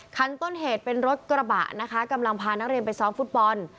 คันต้นเหตุเป็นรถกระบะนะคะกำลังพานักเรียนไปซ้อมฟุตบอล